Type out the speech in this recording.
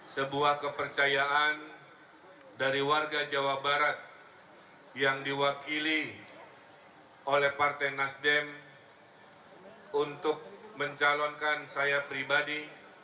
sebuah kepercayaan dari warga jawa barat yang diwakili oleh partai nasdem untuk mencalonkan saya pribadi